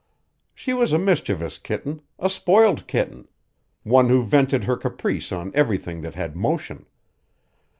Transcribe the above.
She was a mischievous kitten, a spoiled kitten; one who vented her caprice on everything that had motion.